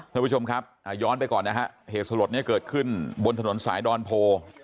ท่านผู้ชมครับย้อนไปก่อนนะฮะเหตุสลดนี้เกิดขึ้นบนถนนสายดอนโพ